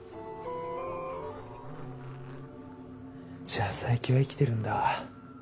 じゃあ佐伯は生きてるんだ。